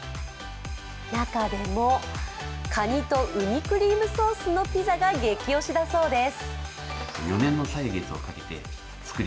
中でも、かにとうにクリームソースのピザが激推しだそうです。